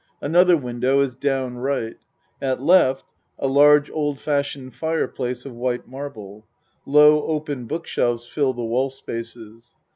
Another window is down R. At L. a large old fashioned fire place of white marble. Low open book shelves fill the wall spaces.